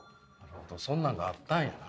そんなんがあったんやな。